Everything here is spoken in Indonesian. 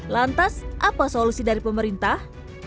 lantas apa solusi dari pemerintah